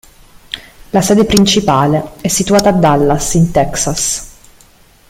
La sede principale è situata a Dallas, in Texas.